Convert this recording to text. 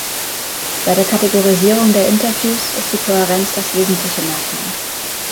Bei der Kategorisierung der Interviews ist die Kohärenz das wesentliche Merkmal.